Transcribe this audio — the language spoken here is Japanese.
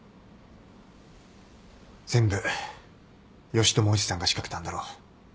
全部義知叔父さんが仕掛けたんだろう。